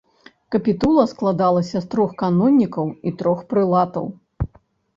Капітула складалася з трох канонікаў і трох прэлатаў.